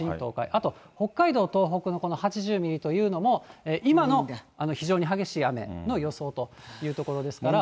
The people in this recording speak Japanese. あと、北海道、東北のこの８０ミリというのも、今の非常に激しい雨の予想というところですから。